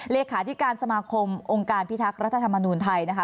เลขาธิการสมาคมองค์การพิทักษ์รัฐธรรมนูญไทยนะคะ